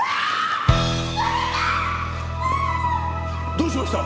どうしました？